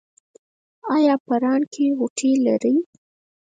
ایا په ران کې غوټې لرئ؟